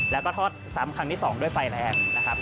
แล้วก็ทอดซ้ำครั้งที่๒ด้วยไฟแรงนะครับ